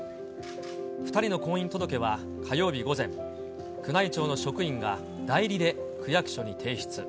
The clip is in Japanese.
２人の婚姻届は火曜日午前、宮内庁の職員が代理で区役所に提出。